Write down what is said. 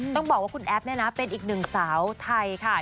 ต้องบอกว่าคุณแอฟเนี่ยนะเป็นอีกหนึ่งสาวไทยค่ะ